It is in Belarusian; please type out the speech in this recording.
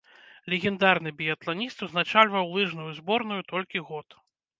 Легендарны біятланіст узначальваў лыжную зборную толькі год.